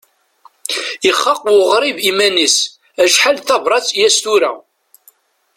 Ixaq uɣrib iman-is, acḥal d tabrat i as-tura.